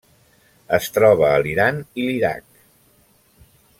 Es troba a l'Iran i l'Iraq.